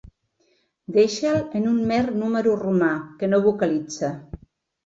Deixa'l en un mer número romà, que no vocalitza.